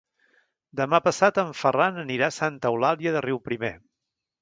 Demà passat en Ferran anirà a Santa Eulàlia de Riuprimer.